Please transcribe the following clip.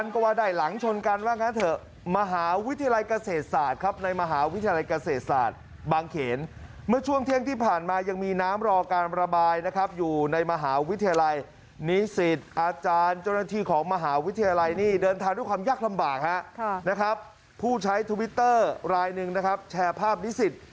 ขอให้เรียนมาช่วยอย่างนี้ลูกประชาชนชมนี้